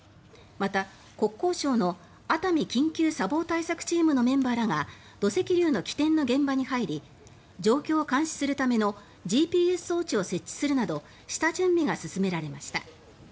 また、国交省の熱海緊急砂防対策チームのメンバーらが土石流の起点の現場に入り状況を監視するためのＧＰＳ装置を設置するなど下準備が進められました。